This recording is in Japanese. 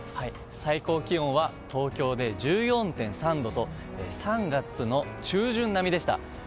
最高気温は東京で１４．３度と３月の中旬並みでした。